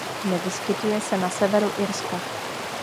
Nevyskytuje se na severu Irska.